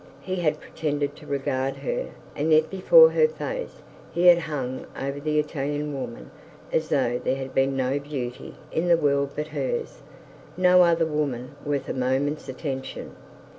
He had pretended to regard her, and yet before her face he had hung over that Italian woman as though there had been no beauty in the world but hers no other woman worth a moment's attention.